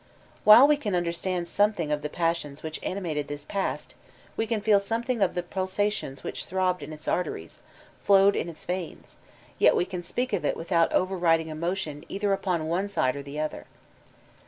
While we can understand something of the passions which animated this past, can feel something of the pulsations which throbbed in its arteries, flowed in its veins, we yet can speak of it without over riding emotion either vpon one side or the other.